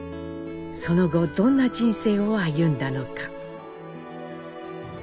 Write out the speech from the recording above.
その後どんな人生を歩んだのか。